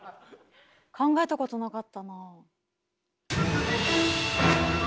考えたことなかったな。